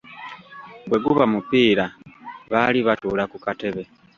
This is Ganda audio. Bwe guba mupiira baali batuula ku katebe.